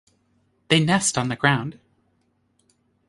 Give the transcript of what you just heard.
They nest on the ground.